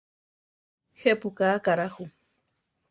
Jepú ka akará jú?